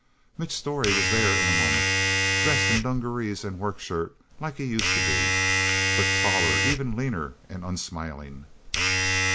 Mitch Storey was there in a moment dressed in dungarees and work shirt like he used to be, but taller, even leaner, and unsmiling.